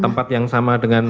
tempat yang sama dengan